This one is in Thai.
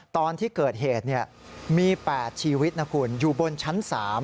ตอนที่เกิดเหตุมี๘ชีวิตนะคุณอยู่บนชั้น๓